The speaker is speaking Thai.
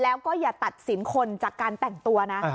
แล้วก็อย่าตัดสินคนจากการแต่งตัวนะ